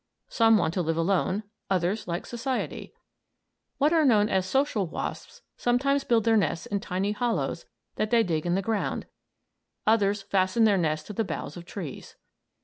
Some want to live alone, others like society. What are known as "social" wasps sometimes build their nests in tiny hollows that they dig in the ground; others fasten their nests to the boughs of trees.